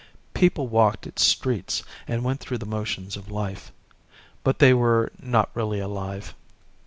People walked its streets and went through the motions of life. But they were not really alive.